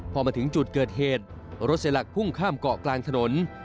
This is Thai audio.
พอมาถึงจุดเกิดเหตุรถเสียหลักพุ่งข้ามเกาะกลางถนน